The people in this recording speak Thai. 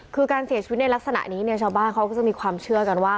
คือการเสียชีวิตในลักษณะนี้เนี่ยชาวบ้านเขาก็จะมีความเชื่อกันว่า